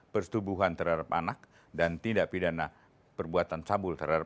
persetubuhan terhadap anak dan tindak pidana perbuatan cabul terhadap